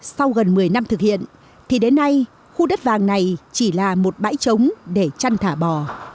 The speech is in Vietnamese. sau gần một mươi năm thực hiện thì đến nay khu đất vàng này chỉ là một bãi trống để chăn thả bò